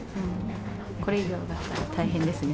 これ以上上がったら大変ですね。